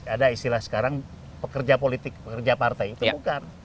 ada istilah sekarang pekerja politik pekerja partai itu bukan